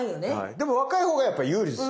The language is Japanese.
でも若いほうがやっぱ有利ですよ。